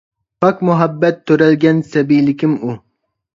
پاك مۇھەببەت تۆرەلگەن سەبىيلىكىم ئۇ.